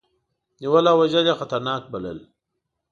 نیول او وژل یې خطرناک بلل.